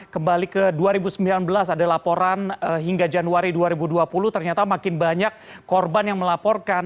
kembali ke dua ribu sembilan belas ada laporan hingga januari dua ribu dua puluh ternyata makin banyak korban yang melaporkan